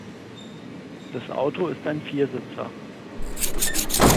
Das Auto ist ein Viersitzer.